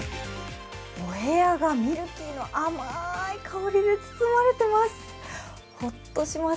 お部屋がミルキーの甘い香りで包まれてます。